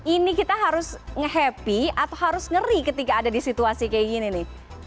ini kita harus nge happy atau harus ngeri ketika ada di situasi kayak gini nih